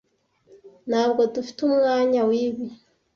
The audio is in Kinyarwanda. Ntabwo ddufiteumwanya wibi.